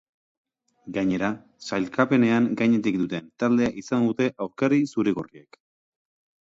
Gainera, sailkapenean gainetik duten taldea izango dute aurkari zuri-gorriek.